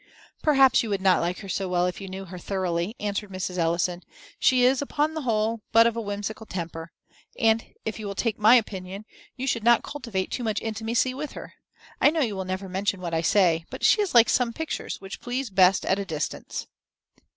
"Perhaps you would not like her so well if you knew her thoroughly," answered Mrs. Ellison. "She is, upon the whole, but of a whimsical temper; and, if you will take my opinion, you should not cultivate too much intimacy with her. I know you will never mention what I say; but she is like some pictures, which please best at a distance."